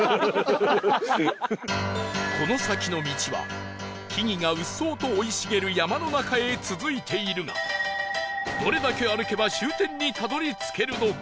この先の道は木々がうっそうと生い茂る山の中へ続いているがどれだけ歩けば終点にたどり着けるのか？